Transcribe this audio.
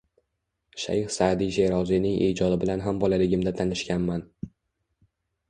Shayh Saʼdiy Sheroziyning ijodi bilan ham bolaligimda tanishganman.